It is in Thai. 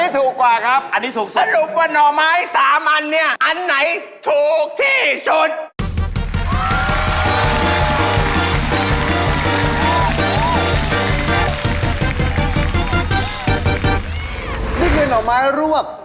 ถูกไม่ได้เก่ง